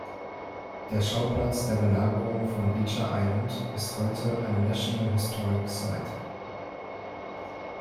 Der Schauplatz der Belagerung von Beecher Island ist heute eine National Historic Site.